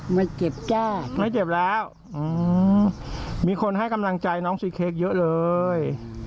ไม่เจ็บแก้ไม่เจ็บแล้วมีคนให้กำลังใจน้องซีเค้กเยอะเลย